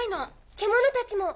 獣たちも。